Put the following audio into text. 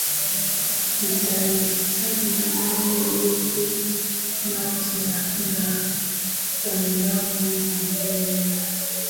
Nitaifanya mambo yote mapya, tazama natenda